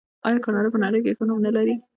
آیا کاناډا په نړۍ کې ښه نوم نلري؟